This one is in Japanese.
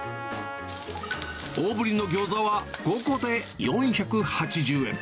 大ぶりのぎょうざは５個で４８０円。